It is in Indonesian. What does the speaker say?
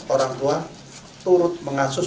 orang tua turut mengasus